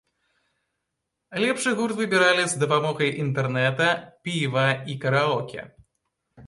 Лепшы гурт выбіралі з дапамогай інтэрнэта, піва і караоке.